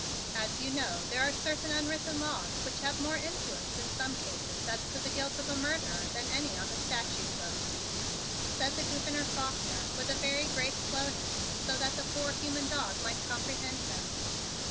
"As you know, there are certain unwritten laws which have more influence in some cases as to the guilt of a murderer than any on the statute books," said the Gouverneur Faulkner with a very great slowness, so that the poor human dog might comprehend him.